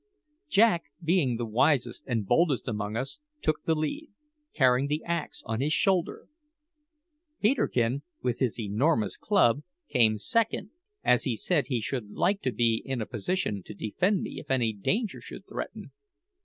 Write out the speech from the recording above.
Jack, being the wisest and boldest among us, took the lead, carrying the axe on his shoulder. Peterkin, with his enormous club, came second, as he said he should like to be in a position to defend me if any danger should threaten.